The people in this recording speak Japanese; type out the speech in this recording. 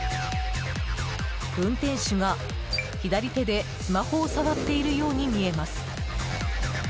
運転手が左手でスマホを触っているように見えます。